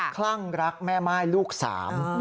คลั่งรักแม่ม่ายลูกสาม